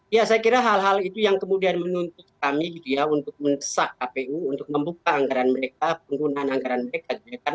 ya saya kira hal hal itu yang kemudian menuntut kami gitu ya untuk mendesak kpu untuk membuka anggaran mereka penggunaan anggaran mereka